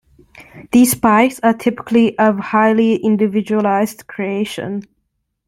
These bikes are typically a highly individualized creation.